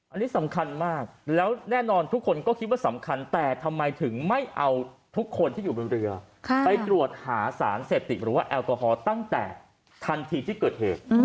อันนี้สำคัญมากแล้วแน่นอนทุกคนก็คิดว่าสำคัญแต่ทำไมถึงไม่เอาทุกคนที่อยู่บนเรือไปตรวจหาสารเสพติดหรือว่าแอลกอฮอล์ตั้งแต่ทันทีที่เกิดเหตุ